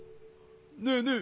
ねえねえ。